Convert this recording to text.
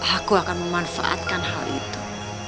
aku akan memanfaatkan hal itu